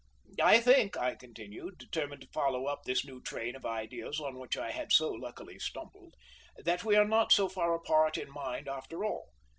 "I think," I continued, determined to follow up this new train of ideas on which I had so luckily stumbled, "that we are not so far apart in mind after all.